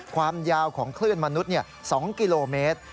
ความยาวของคลื่นมนุษย์๒กิโลเมตร